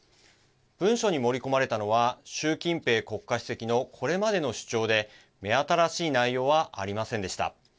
文書に盛り込まれたのは習近平国家主席のこれまでの主張で目新しい内容はありませんでした。